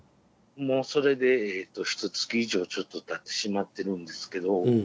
もうそれでひとつき以上ちょっとたってしまってるんですけど。